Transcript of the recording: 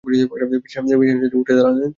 বিছানা ছেড়ে উঠে দাঁড়ালেন।